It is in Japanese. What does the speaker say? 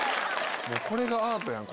これがアートやん